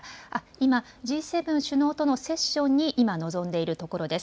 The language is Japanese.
今、Ｇ７首脳とのセッションに今臨んでいるところです。